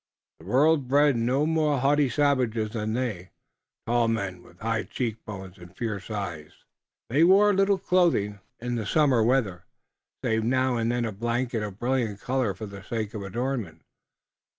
The world bred no more haughty savages than they. Tall men, with high cheek bones, and fierce eyes, they wore little clothing in the summer weather, save now and then a blanket of brilliant color for the sake of adornment.